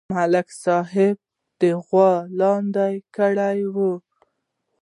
ملک صاحب غوا لاندې کړې وه